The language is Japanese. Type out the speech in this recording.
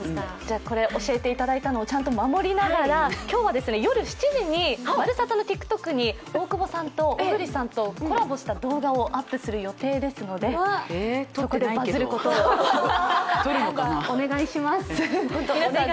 教えていただいたのをちゃんと守りながら今日は夜７時に「まるサタ」のＴｉｋＴｏｋに大久保さんと小栗さんとコラボした動画をアップする予定ですのでそこでバズることを、お願いします